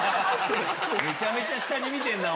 めちゃめちゃ下に見てんな。